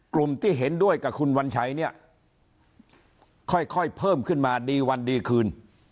กลุ่มที่เห็นด้วยกับคุณวัญชัยเนี่ยค่อยเพิ่มขึ้นมาดีวันดีคืน